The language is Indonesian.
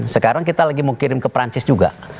sekarang kita lagi mau kirim ke perancis juga